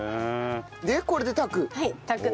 でこれで炊く？